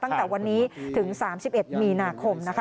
ตั้งแต่วันนี้ถึง๓๑มีนาคมนะคะ